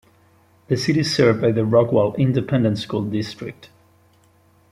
The city is served by the Rockwall Independent School District.